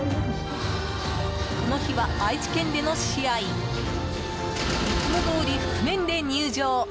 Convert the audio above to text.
この日は愛知県での試合。いつもどおり覆面で入場。